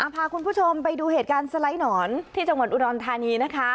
พาคุณผู้ชมไปดูเหตุการณ์สไลด์หนอนที่จังหวัดอุดรธานีนะคะ